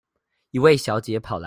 一位小姐跑來